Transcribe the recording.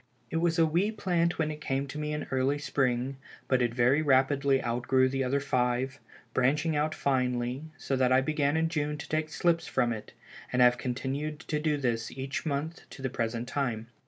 It was a wee plant when it came to me in early spring, but it very rapidly outgrew the other five, branching out finely, so that I began in June to take slips from it, and have continued to do this each month to the present time.